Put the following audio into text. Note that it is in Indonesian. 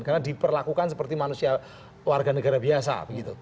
karena diperlakukan seperti manusia warga negara biasa